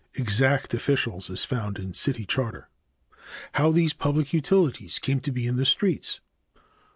(Exact officials as found in city charter.) C. How these public utilities came to be in the streets.